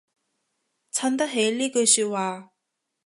襯得起呢句說話